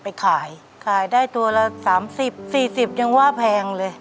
ไปขายขายได้ตัวละสามสิบสี่สิบยังว่าแพงเลย